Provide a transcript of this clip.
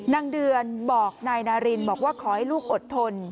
นางเดือนบอกนายนารินบอกว่าขอให้ลูกอดทน